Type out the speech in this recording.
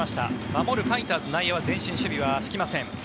守るファイターズ内野は前進守備は敷きません。